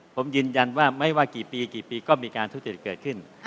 ผมยืนยันว่าไม่ว่ากี่ปีกี่ปีก็มีการทุจริตเกิดขึ้น